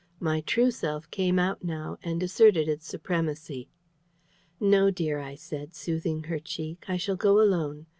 My true self came out now and asserted its supremacy. "No, dear," I said, soothing her cheek; "I shall go alone.